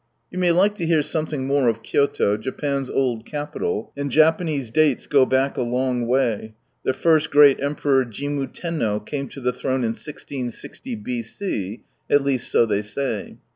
You may like to hear something more of Kyoto, Japan's old capital (and Japanese dates go back a long way, their first great Emperor Jimmu Tenno came 10 the throne in 1660 b.c— at leastso they say).